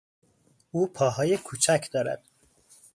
او پاهای کوچک دارد.